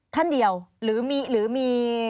ท่านเดียวหรือมี